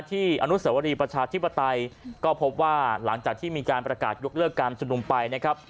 อนุสวรีประชาธิปไตยก็พบว่าหลังจากที่มีการประกาศยกเลิกการชุมนุมไปนะครับ